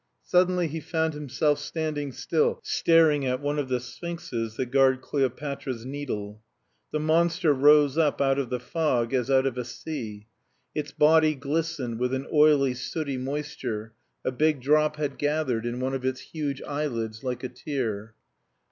Suddenly he found himself standing still, staring at one of the sphinxes that guard Cleopatra's Needle. The monster rose up out of the fog as out of a sea; its body glistened with an oily sooty moisture, a big drop had gathered in one of its huge eyelids like a tear.